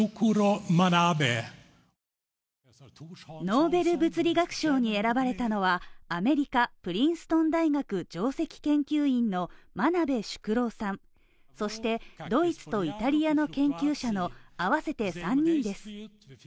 ノーベル物理学賞に選ばれたのは、アメリカ・プリンストン大学上席研究員の真鍋淑郎さん、そしてドイツとアメリカの研究者の合わせて３人です。